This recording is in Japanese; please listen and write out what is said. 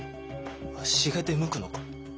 わしが出向くのか？